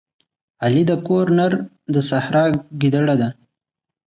علي د کور نر د سحرا ګیدړه ده.